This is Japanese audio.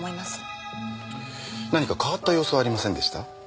何か変わった様子はありませんでした？